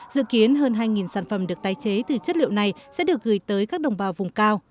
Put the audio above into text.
dự kiến hơn hai sản phẩm được tái chế từ chất liệu này sẽ được gửi tới các đồng bào vùng cao